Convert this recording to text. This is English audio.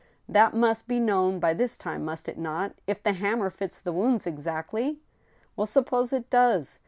*' That must be known by this time, must it not ? If the ham mer fits the wounds exactly —?"" Well, suppose it does